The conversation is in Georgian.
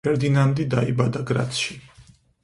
ფერდინანდი დაიბადა გრაცში.